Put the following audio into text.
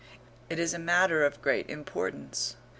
It is a matter of great importance.